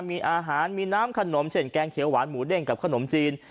มีอาหารมีน้ำขนมเช่นแกงเขียวหวานหมูเด้งกับขนมจีน